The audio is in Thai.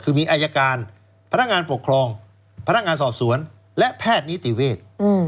คือมีอายการพนักงานปกครองพนักงานสอบสวนและแพทย์นิติเวทย์